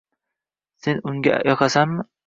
Sen unga yoqasanmi